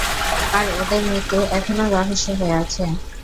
আর ওদের মৃত্যু এখনও রহস্য হয়ে আছে।